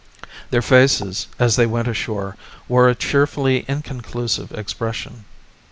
Their faces as they went ashore wore a cheerfully inconclusive expression.